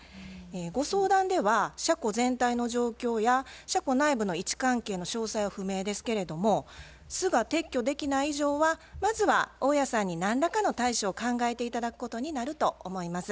ご相談では車庫全体の状況や車庫内部の位置関係の詳細は不明ですけれども巣が撤去できない以上はまずは大家さんに何らかの対処を考えて頂くことになると思います。